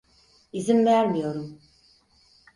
İzin vermiyorum.